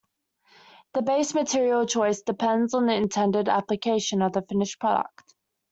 The base material choice depends on the intended application of the finished product.